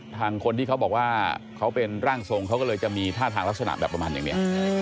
ทางคนที่เขาบอกว่าเขาเป็นร่างทรงเขาก็เลยจะมีท่าทางลักษณะแบบประมาณอย่างนี้